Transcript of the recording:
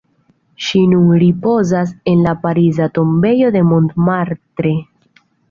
Ŝi nun ripozas en la pariza tombejo de Montmartre.